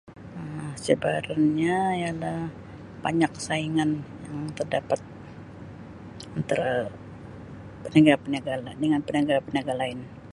Um Cabaranya ialah banyak saingan yang terdapat antara peniaga-peniaga dengan peniaga-peniaga lain.